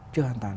chưa hoàn toàn